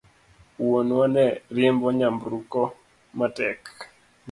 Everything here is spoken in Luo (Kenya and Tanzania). Wuonwa ne riembo nyamburko matek